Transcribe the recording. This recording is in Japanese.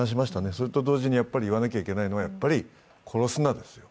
それと同時に言わなきゃいけないのは、やっぱり殺すなですよ。